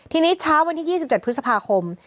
ทีนี้เช้าวันที่๒๗พฤษภาคม